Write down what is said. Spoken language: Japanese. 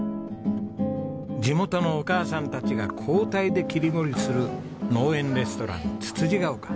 地元のお母さんたちが交代で切り盛りする農園レストランつつじヶ丘。